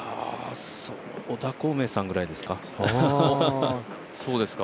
小田孔明さんぐらいですか。